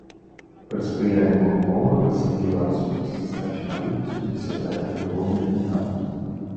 Пры спрыяльных умовах, асабліва адсутнасці значнага выпасу, дасягае ўзроўню дамінанта.